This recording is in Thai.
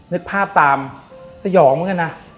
นึกภาพตามสยองเหมือนกันนะ